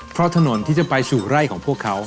เพราะถนนที่จะไปสู่ไร่ของพวกเขา